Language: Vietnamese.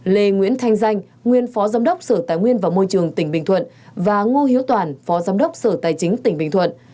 lê nguyễn thanh danh nguyên phó giám đốc sở tài nguyên và môi trường tỉnh bình thuận và ngô hiếu toàn phó giám đốc sở tài chính tỉnh bình thuận